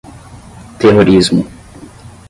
Terrorismo